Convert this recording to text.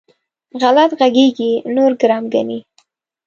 غلط غږېږي؛ نور ګرم ګڼي.